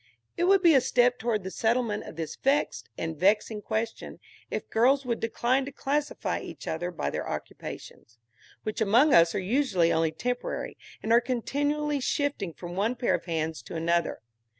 It would be a step towards the settlement of this vexed and vexing question if girls would decline to classify each other by their occupations, which among us are usually only temporary, and are continually shifting from one pair of hands to another.